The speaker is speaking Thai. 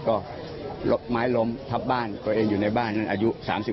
ก็หลบไม้ลมทับบ้านคนเองอยู่ในบ้านนั่นอายุสามสิบ